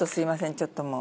ちょっともう。